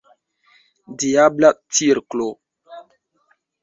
Diabla cirklo!